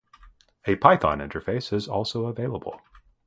A Python interface is also available.